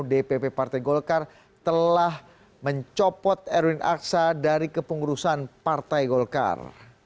dpp partai golkar telah mencopot erwin aksa dari kepengurusan partai golkar